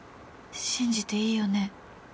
信じていいよね？